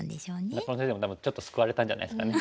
中野先生も多分ちょっと救われたんじゃないですかね。